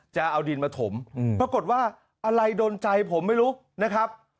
จะเอาดินมาถมปรากฏว่าอะไรโดนใจผมไม่รู้นะครับ